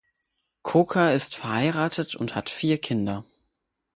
Koca ist verheiratet und hat vier Kinder.